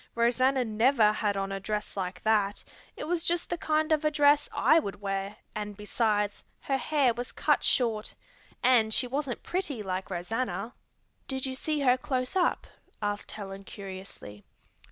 "Rosanna never had on a dress like that; it was just the kind of a dress I would wear and, besides, her hair was cut short. And she wasn't pretty like Rosanna." "Did you see her close up?" asked Helen curiously.